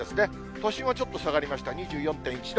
都心はちょっと下がりました、２４．１度。